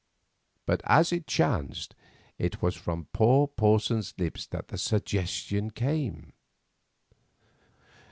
But as it chanced it was from poor Porson's lips that the suggestion came.